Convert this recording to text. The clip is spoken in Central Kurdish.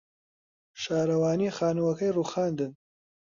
شارەوانی خانووەکەی رووخاندن.